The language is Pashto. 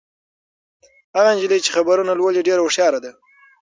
هغه نجلۍ چې خبرونه لولي ډېره هوښیاره ده.